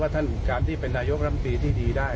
ท่านการที่เป็นนายกรัมตรีที่ดีได้